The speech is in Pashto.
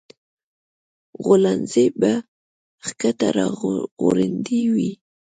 غولانځې يې ښکته راځوړندې وې